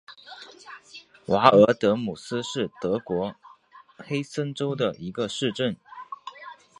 瓦尔德姆斯是德国黑森州的一个市镇。